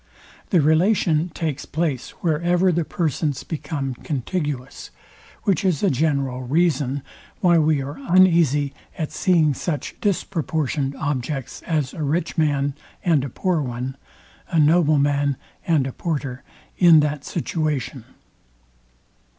The relation takes place wherever the persons become contiguous; which is a general reason why we are uneasy at seeing such disproportioned objects, as a rich man and a poor one, a nobleman and a porter, in that situation.